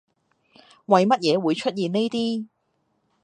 為乜嘢會出現呢啲